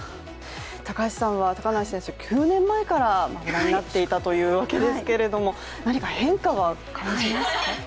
高橋さんは高梨選手を９年前からご覧になっていたわけですけど何か変化は感じますか？